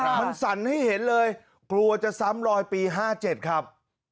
มันสั่นให้เห็นเลยกลัวจะซ้ำรอยปี๕๗ครับ